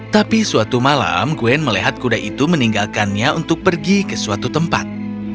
tapi suatu malam gwen melihat kuda itu meninggalkannya untuk pergi ke suatu tempat